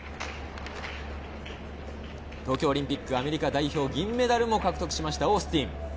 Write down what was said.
東京オリンピック、アメリカ代表銀メダルも獲得しました、オースティン。